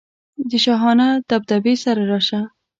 د شاهانه دبدبې سره راشه.